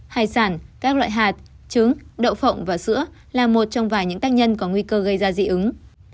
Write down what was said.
hải sản các loại hạt trứng đậu phộng và sữa là một trong vài những tác nhân có nguy cơ gây ra dị ứng